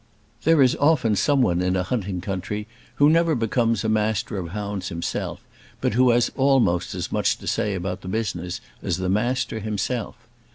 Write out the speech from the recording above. There is often someone in a hunting country who never becomes a Master of hounds himself, but who has almost as much to say about the business as the Master himself.